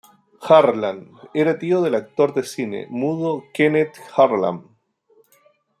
Harlan era tío del actor de cine mudo Kenneth Harlan.